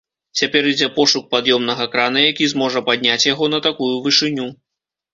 Цяпер ідзе пошук пад'ёмнага крана, які зможа падняць яго на такую вышыню.